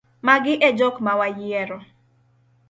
Magi e jok mawayiero.